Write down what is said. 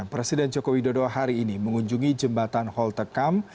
presiden joko widodo hari ini mengunjungi jembatan holtecam